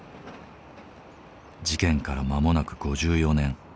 事件から間もなく５４年。